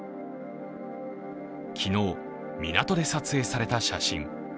昨日、港で撮影された写真。